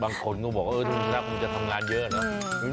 บางคนก็บอกว่าดูน่าคงจะทำงานเยอะเนอะ